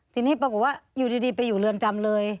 ทีนี้ปรากฏว่าอยู่ดีไปอยู่เรือนจำเลย